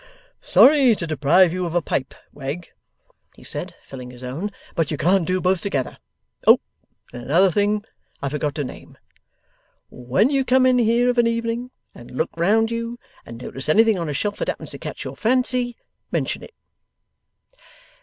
'Sorry to deprive you of a pipe, Wegg,' he said, filling his own, 'but you can't do both together. Oh! and another thing I forgot to name! When you come in here of an evening, and look round you, and notice anything on a shelf that happens to catch your fancy, mention it.